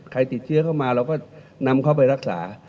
ใครติดเชื้อเข้ามาเราก็นำเข้าไปรักษา